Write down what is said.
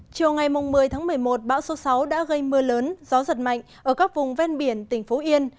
chiều ngày một mươi tháng một mươi một bão số sáu đã gây mưa lớn gió giật mạnh ở các vùng ven biển tỉnh phú yên